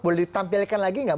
boleh ditampilkan lagi tidak